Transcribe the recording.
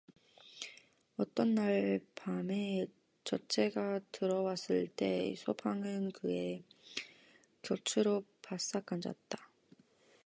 어떤 날 밤에 첫째가 들어왔을 때 이서방은 그의 곁으로 바싹 앉았다.